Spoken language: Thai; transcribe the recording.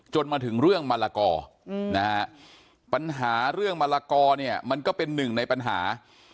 มาถึงเรื่องมะละกอนะฮะปัญหาเรื่องมะละกอเนี่ยมันก็เป็นหนึ่งในปัญหา